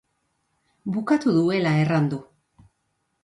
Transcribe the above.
Bukatu duela erran du.